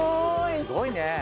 すごいね。